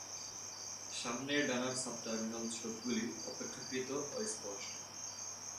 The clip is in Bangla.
সামনের ডানার সাবটার্মিনাল ছোপগুলি অপেক্ষাকৃত অস্পষ্ট।